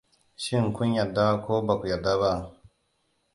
Shin kun yarda ko baku yarda ba?